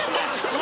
何？